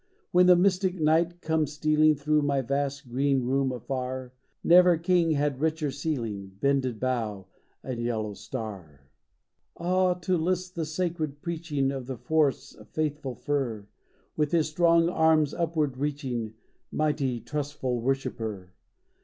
When the mystic night comes stealing Through my vast, green room afar, Never king had richer ceiling — Bended bough and yellow star ! Ah, to list the sacred preaching Of the forest's faithful fir, With his strong arms upward reaching Mighty, trustful worshipper